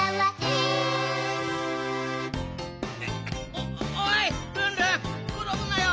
おおいルンルンころぶなよ。